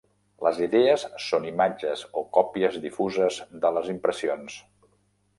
Les idees són imatges o còpies difuses de les impressions.